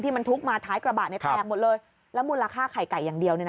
มันทุกข์มาท้ายกระบะเนี่ยแตกหมดเลยแล้วมูลค่าไข่ไก่อย่างเดียว